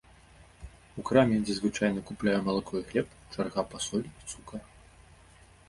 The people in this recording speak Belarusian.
У краме, дзе звычайна купляю малако і хлеб, чарга па соль і цукар.